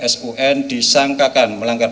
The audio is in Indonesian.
sun disangkakan melanggar